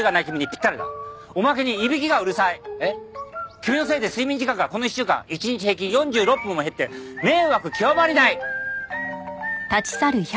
君のせいで睡眠時間がこの一週間一日平均４６分も減って迷惑極まりない！